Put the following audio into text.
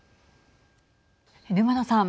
沼野さん。